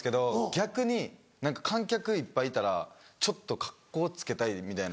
逆に観客いっぱいいたらちょっとカッコつけたいみたいな。